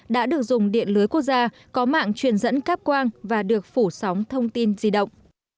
đã được dùng điện lưới quốc gia có mạng truyền dẫn cáp quang và được phủ sóng thông tin di động